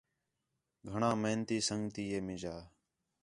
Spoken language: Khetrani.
گھݨاں محنتی سنڳی ہِے میں جا